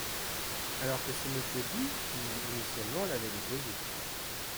…alors que c’est Monsieur Bies qui, initialement, l’avait déposé.